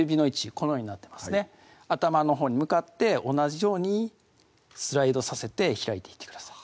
このようになってますね頭のほうに向かって同じようにスライドさせて開いていってください